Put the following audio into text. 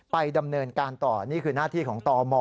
ไปดำเนินการต่อนี่คือหน้าที่ของตม